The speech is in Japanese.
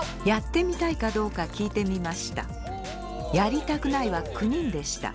やりたくないは９人でした。